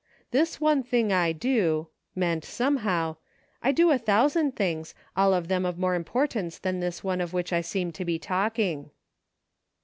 " This one thing I do," meant, somehow, "I do a thousand things, all of them of more importance than this one of which I seem to be talking."